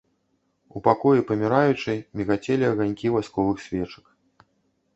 У пакоі паміраючай мігацелі аганькі васковых свечак.